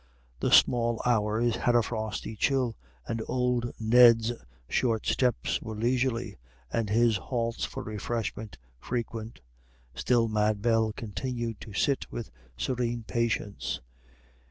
The small hours had a frosty chill, and old Ned's short steps were leisurely, and his halts for refreshment frequent; still Mad Bell continued to sit with serene patience.